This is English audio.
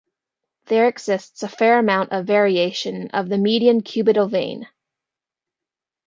There exists a fair amount of variation of the median cubital vein.